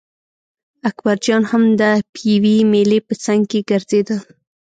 اکبرجان هم د پېوې مېلې په څنګ کې ګرځېده.